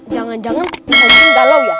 jangan jangan om jin galau ya